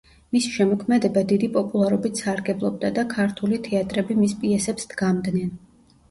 მისი შემოქმედება დიდი პოპულარობით სარგებლობდა და ქართული თეატრები მის პიესებს დგამდნენ.